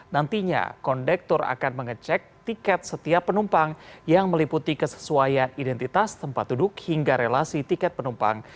nantinya kondektor akan mengecek tiket setiap penumpang yang meliputi kesesuaian identitas tempat duduk hingga relasi tiket penumpang